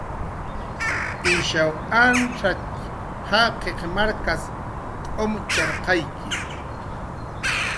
Ishaw antzatx jaqiq markas k'umtxarqayki